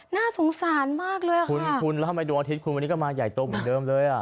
น่าสงสารมากเลยค่ะคุณคุณแล้วทำไมดวงอาทิตย์คุณวันนี้ก็มาใหญ่โตเหมือนเดิมเลยอ่ะ